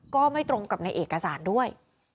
ก็ไม่ตรงกับในเอกสารด้วย